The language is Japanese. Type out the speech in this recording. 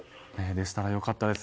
でしたら良かったです。